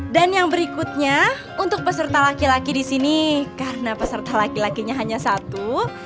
dan yang berikutnya untuk peserta laki laki di sini karena peserta laki lakinya hanya satu